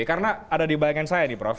karena ada di bayangan saya nih prof